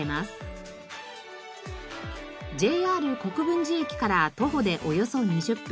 ＪＲ国分寺駅から徒歩でおよそ２０分。